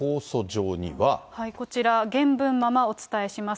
こちら、原文ままお伝えします。